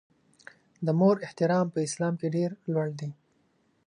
د مور احترام په اسلام کې ډېر لوړ دی.